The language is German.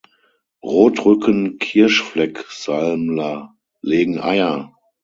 Rotrücken-Kirschflecksalmler legen Eier.